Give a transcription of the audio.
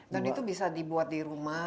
dan itu bisa dibuat di rumah